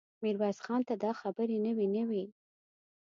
ميرويس خان ته دا خبرې نوې نه وې.